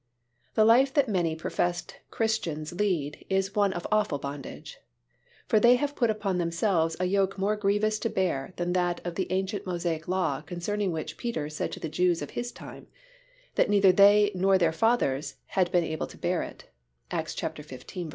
The life that many professed Christians lead is one of awful bondage; for they have put upon themselves a yoke more grievous to bear than that of the ancient Mosaic law concerning which Peter said to the Jews of his time, that neither they nor their fathers had been able to bear it (Acts xv.